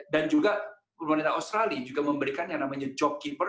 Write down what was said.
dan juga pemerintah australia memberikan yang namanya job keeper